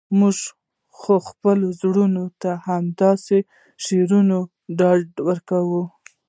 موږ خو خپلو زړونو ته په همداسې شعرونو ډاډ ورکوو.